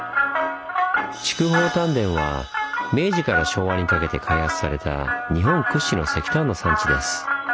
筑豊炭田は明治から昭和にかけて開発された日本屈指の石炭の産地です。